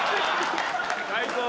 最高。